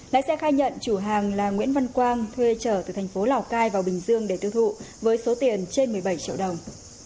lái xe khai nhận chủ hàng là nguyễn văn quang thuê trở từ thành phố lào cai vào bình dương để tiêu thụ với số tiền trên một mươi bảy triệu đồng